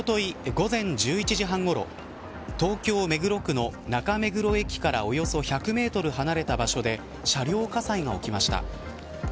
午前１１時半ごろ東京、目黒区の中目黒駅からおよそ１００メートル離れた場所で車両火災が起きました。